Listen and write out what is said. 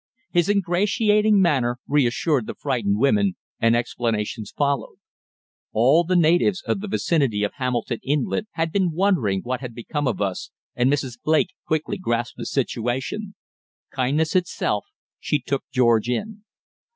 His ingratiating manner reassured the frightened women, and explanations followed. All the natives of the vicinity of Hamilton Inlet had been wondering what had become of us, and Mrs. Blake quickly grasped the situation. Kindness itself, she took George in.